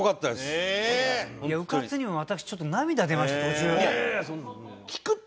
いやうかつにも私ちょっと涙出ました途中。